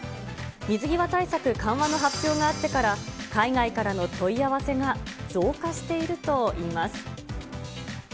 水際対策緩和の発表があってから、海外からの問い合わせが増加しているといいます。